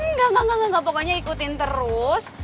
engga engga pokoknya ikutin terus